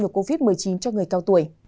ngừa covid một mươi chín cho người cao tuổi